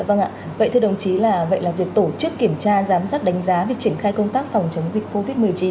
vâng ạ vậy thưa đồng chí là vậy là việc tổ chức kiểm tra giám sát đánh giá việc triển khai công tác phòng chống dịch covid một mươi chín